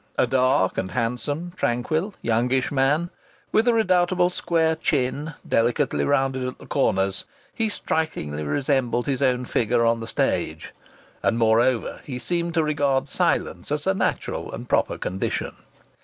A dark and handsome, tranquil, youngish man, with a redoubtable square chin, delicately rounded at the corners, he strikingly resembled his own figure on the stage; and moreover, he seemed to regard silence as a natural and proper condition.